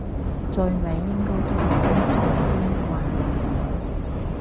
最尾應該都係跟祖先慣例